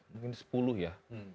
mungkin sepuluh ya